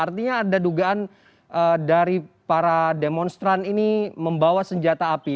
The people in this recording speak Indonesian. artinya ada dugaan dari para demonstran ini membawa senjata api